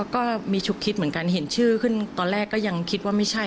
ก็มีฉุกคิดเหมือนกันเห็นชื่อขึ้นตอนแรกก็ยังคิดว่าไม่ใช่